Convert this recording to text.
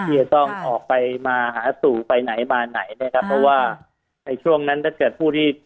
ที่จะต้องออกไปมาหาสู่ไปไหนมาไหนนะครับเพราะว่าในช่วงนั้นถ้าเกิดผู้ที่